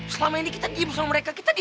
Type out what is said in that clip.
selama ini kita diem sama mereka kita di